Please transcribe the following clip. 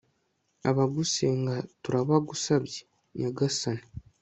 abagusenga turagusabye, nyagasani